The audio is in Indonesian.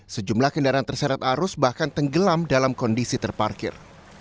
sejumlah kendaraan terseret arus bahkan tenggelam dalam kondisi terparkir